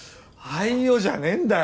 「はいよ」じゃねえんだよ！